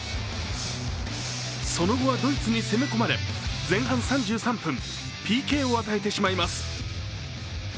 その後はドイツに攻め込まれ前半３３分、ＰＫを与えてしまいます。